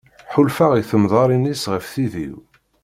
Ḥulfaɣ i tedmarin-is ɣef tid-iw.